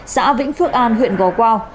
xã vĩnh phước an huyện gò quao